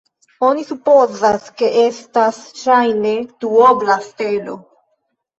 Oni supozas, ke estas ŝajne duobla stelo.